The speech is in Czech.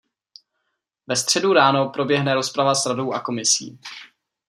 Ve středu ráno proběhne rozprava s Radou a Komisí.